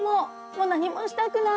もう何もしたくない！